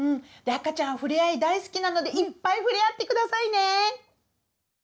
赤ちゃんふれあい大好きなのでいっぱいふれあってくださいね！